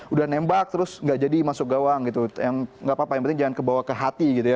udah nembak terus nggak jadi masuk gawang gitu yang nggak apa apa yang penting jangan kebawa ke hati gitu ya